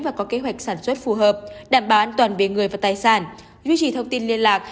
và có kế hoạch sản xuất phù hợp đảm bảo an toàn về người và tài sản duy trì thông tin liên lạc